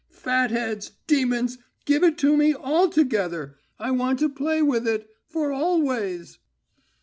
"Fat heads! Demons! Give it to me altogether! I want to play with it.... For always."